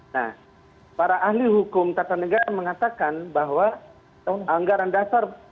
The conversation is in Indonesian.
nah para ahli hukum tata negara mengatakan bahwa anggaran dasar